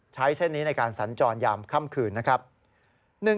ใช้เส้นนี้ในการสรรจรอย่างคั่มขื่น